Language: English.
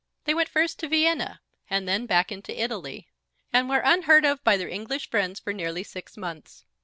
They went first to Vienna, and then back into Italy, and were unheard of by their English friends for nearly six months.